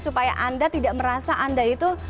supaya anda tidak merasa anda itu